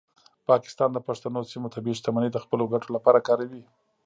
پاکستان د پښتنو سیمو طبیعي شتمنۍ د خپلو ګټو لپاره کاروي.